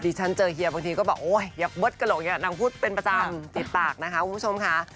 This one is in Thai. ฉันเจอเฮียบางทีก็บอกโอ๊ยอย่าเบิ้กระโหลกอย่างนางพูดเป็นประจำติดปากนะคะคุณผู้ชมค่ะ